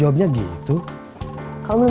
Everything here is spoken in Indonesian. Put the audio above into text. apa yang gimana bruh talkin ke diri